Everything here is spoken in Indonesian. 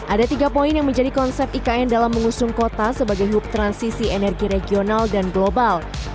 ada tiga poin yang menjadi konsep ikn dalam mengusung kota sebagai hub transisi energi regional dan global